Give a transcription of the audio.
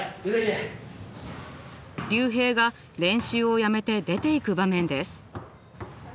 リュウヘイが練習をやめて出ていく場面です。